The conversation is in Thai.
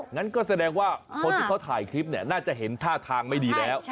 งั้นก็แสดงว่าคนที่เขาถ่ายคลิปเนี่ยน่าจะเห็นท่าทางไม่ดีแล้ว